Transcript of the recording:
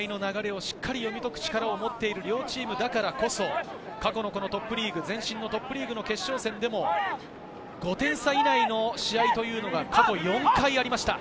試合の流れをしっかり読み解く力を持っている両チームだからこそ、過去のトップリーグ、前身のトップリーグの決勝戦でも、５点差以内の試合というのが過去４回ありました。